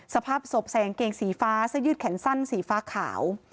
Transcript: สภาพศพแสงเกงสีฟ้าซะยืดแขนสั้นสีฟ้าขาว